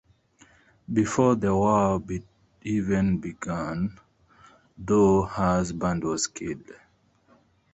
Before the war even began, though, her husband was killed.